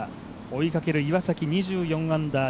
追いかける岩崎、２４アンダー